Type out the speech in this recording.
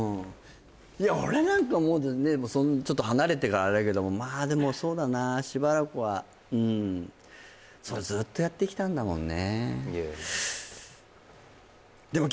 いや俺なんかもうでもちょっと離れてからあれだけどもまあでもそうだなしばらくはうんそうずっとやってきたんだもんね